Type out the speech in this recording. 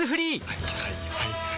はいはいはいはい。